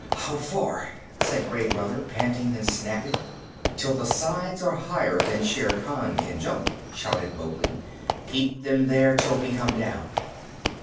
"How far?" said Gray Brother, panting and snapping. "Till the sides are higher than Shere Khan can jump," shouted Mowgli. "Keep them there till we come down."